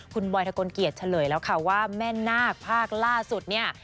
คุณบอยทะกลเกียจเฉลยแล้วค่ะว่าแม่นาคภาคล่าสุดเนี่ย